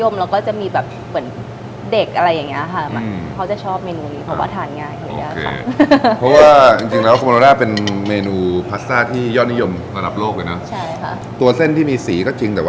มีอะไรอีก